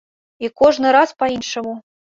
І кожны раз па-іншаму.